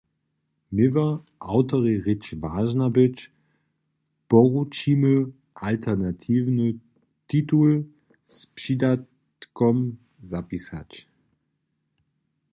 Měła awtorej rěč wažna być, poručimy, alternatiwny titul z přidawkom zapisać.